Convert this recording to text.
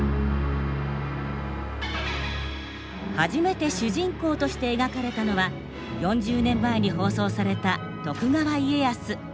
初めて主人公として描かれたのは４０年前に放送された「徳川家康」。